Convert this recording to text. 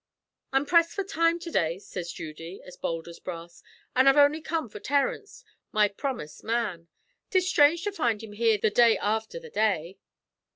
"'I'm pressed for time to day,' sez Judy, as bould as brass; 'an' I've only come for Terence my promust man. 'Tis strange to find him here the day afther the day.'